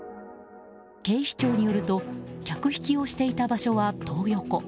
警視庁によると客引きをしていた場所はトー横。